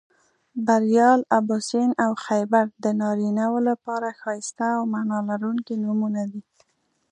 بریال، اباسین او خیبر د نارینهٔ و لپاره ښایسته او معنا لرونکي نومونه دي